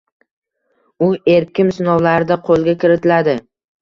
U erkim sinovlarida qo`lga kiritiladi